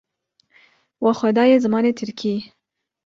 We xwe daye zimanê Tirkî